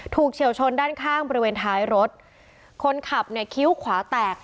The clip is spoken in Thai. เฉียวชนด้านข้างบริเวณท้ายรถคนขับเนี่ยคิ้วขวาแตก